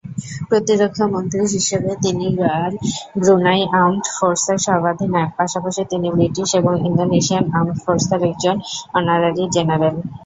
প্রতিরক্ষা মন্ত্রী হিসাবে তিনি রয়্যাল ব্রুনাই আর্মড ফোর্সের সর্বাধিনায়ক, পাশাপাশি তিনি ব্রিটিশ এবং ইন্দোনেশিয়ান আর্মড ফোর্সের একজন অনারারি জেনারেল।